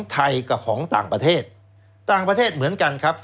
แล้วเขาก็ใช้วิธีการเหมือนกับในการ์ตูน